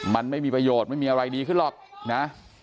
มันไม่มีประโยชน์ไม่มีอะไรดีขึ้นหรอกนะ